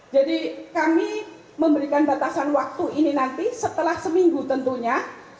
jadi kami memberikan batasan waktu ini nanti setelah seminggu tentunya